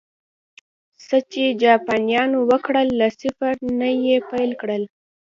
څه چې جاپانيانو وکړل، له صفر نه یې پیل کړل